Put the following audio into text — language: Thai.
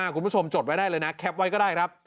คุณผู้ชมจดไว้ได้เลยนะแคปไว้ก็ได้ครับ